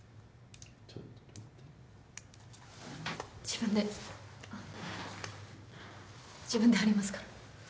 自分で自分で貼りますから。